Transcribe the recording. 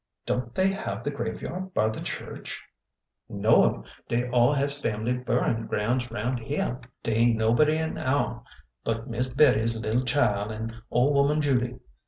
Don't they have the graveyard by the church ?"'' No'm. Dey all has fambly buryin' groun's roun' hyeah. Dey ain't nobody in ourn but Miss Bettie's little chil'n an' ole 'oman Judy.